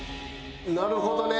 なるほどね。